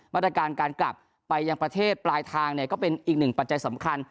มาตรการการกลับไปยังประเทศปลายทางเนี่ยก็เป็นอีกหนึ่งปัจจัยสำคัญ